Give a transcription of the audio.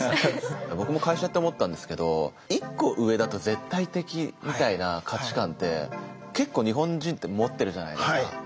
僕も会社やって思ったんですけど１個上だと絶対的みたいな価値観って結構日本人って持ってるじゃないですか。